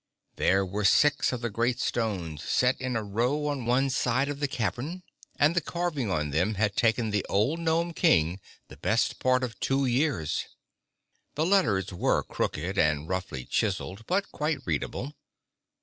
There were six of the great stones set in a row on one side of the cavern and the carving on them had taken the old gnome King the best part of two years. The letters were crooked and roughly chiseled, but quite readable.